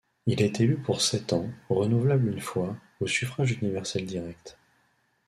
Il est élu pour sept ans, renouvelable une fois, au suffrage universel direct.